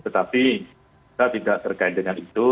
tetapi kita tidak terkait dengan itu